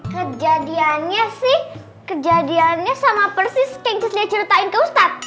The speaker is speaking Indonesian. kejadiannya sih kejadiannya sama persis yang terus dia ceritain ke ustadz